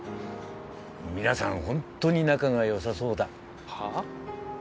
皆さん本当に仲がよさそうだはあ？